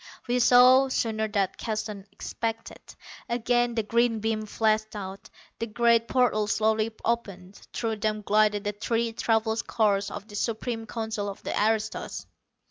We saw, sooner than Keston expected. Again the green beam flashed out. The great portals slowly opened. Through them glided the three travel cars of the Supreme Council of the aristos.